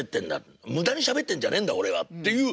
無駄にしゃべってんじゃねんだ俺はっていう。